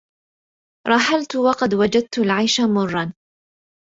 رحلت وقد وجدت العيش مرا